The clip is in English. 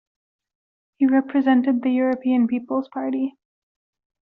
He represented the European People's Party.